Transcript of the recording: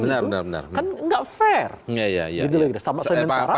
kan nggak fair